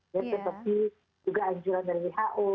jadi seperti juga anjuran dari who